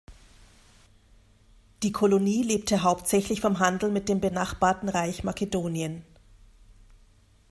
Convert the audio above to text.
Die Kolonie lebte hauptsächlich vom Handel mit dem benachbarten Reich Makedonien.